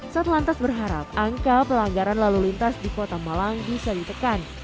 satlantas berharap angka pelanggaran lalu lintas di kota malang bisa ditekan